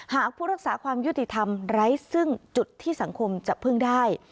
หากผู้รักษาความยุติธรรมไร้ซึ่งจุดที่สังคมจะพึ่งได้